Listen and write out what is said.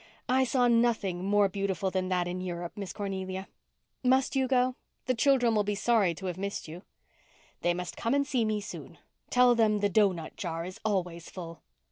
"I saw nothing more beautiful than that in Europe, Miss Cornelia. Must you go? The children will be sorry to have missed you." "They must come and see me soon. Tell them the doughnut jar is always full."